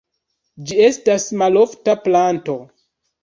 Ĝi estas malofta planto.